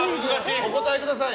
お答えください。